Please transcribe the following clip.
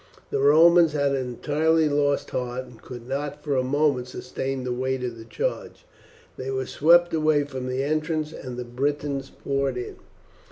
The Romans had entirely lost heart and could not for a moment sustain the weight of the charge. They were swept away from the entrance, and the Britons poured in.